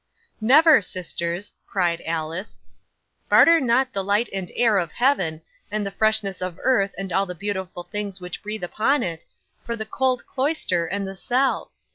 '"Never, sisters," cried Alice. "Barter not the light and air of heaven, and the freshness of earth and all the beautiful things which breathe upon it, for the cold cloister and the cell.